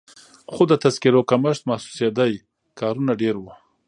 خو د تذکیرو کمښت محسوسېده، کارونه ډېر وو.